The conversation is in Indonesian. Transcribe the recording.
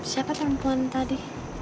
siapa perempuan tadi